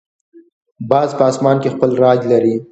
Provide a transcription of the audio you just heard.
باز په آسمان کې خپل راج لري